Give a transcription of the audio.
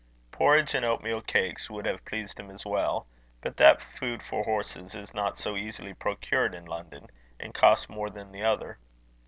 Porridge and oatmeal cakes would have pleased him as well; but that food for horses is not so easily procured in London, and costs more than the other.